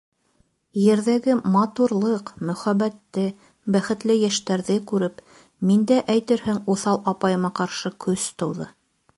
Ерҙәге матурлыҡ, мөхәббәтте, бәхетле йәштәрҙе күреп, миндә, әйтерһең, уҫал апайыма ҡаршы көс тыуҙы.